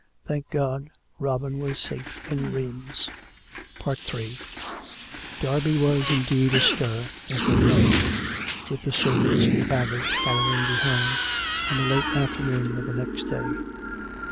... Thank God Robin was safe in Rheims! ... Ill Derby was, indeed, astir as they rode in, with the serv ants and the baggage following behind, on the late after noon of the next day.